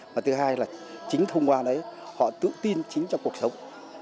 và thứ hai là chính thông qua đấy họ tự tin chính trong cuộc sống